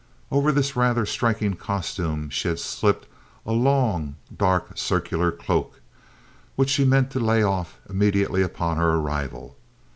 Over this rather striking costume she had slipped a long dark circular cloak, which she meant to lay off immediately upon her arrival.